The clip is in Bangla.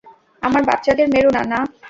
আমার বাচ্চাদের মেরোনা, না।